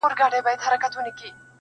د هغه د نثر په کتابونو کې شته